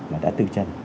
mà đã từ chân